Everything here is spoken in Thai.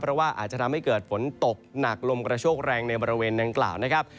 เพราะว่าอาจจะทำให้เกิดฝนตกหนักลมกระโชคแรงในบริเวณดังกล่าวนะครับ